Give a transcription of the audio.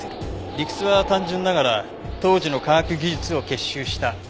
理屈は単純ながら当時の科学技術を結集した兵器です。